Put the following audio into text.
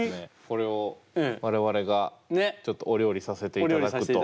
これを我々がちょっとお料理させていただくと。